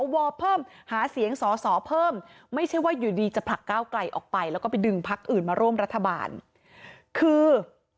เพิ่มหาเสียงสอสอเพิ่มไม่ใช่ว่าอยู่ดีจะผลักก้าวไกลออกไปแล้วก็ไปดึงพักอื่นมาร่วมรัฐบาลคือ